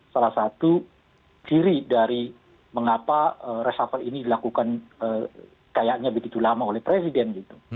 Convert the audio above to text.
salah satu ciri dari mengapa resafel ini dilakukan kayaknya begitu lama oleh presiden gitu